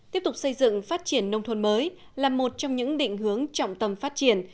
tiếp tục xây dựng phát triển nông thôn mới là một trong những định hướng trọng tâm phát triển